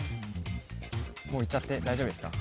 もういっちゃって大丈夫ですか？